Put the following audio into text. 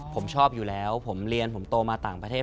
ผมชอบอยู่แล้วผมเรียนผมโตมาต่างประเทศ